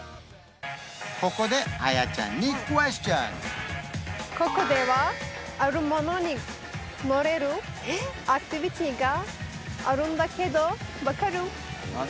ここでここではあるものに乗れるアクティビティがあるんだけど分かる？